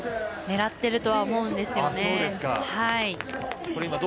狙っているとは思うんですよね。